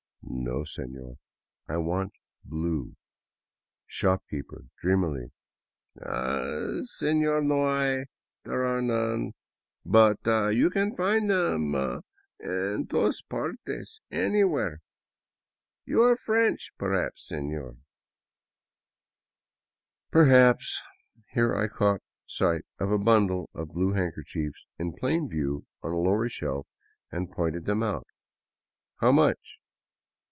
" No, sefior, I want blue.'* Shopkeeper, dreamily, "Ah, seiior, 710 hay — there are none. But you can find them en to 'as partes — anywhere. You are French, perhaps, sefior ?"" Perhaps." Here I caught sight of a bundle of blue handkerchiefs in plain view on a lower shelf, and pointed them out. " How much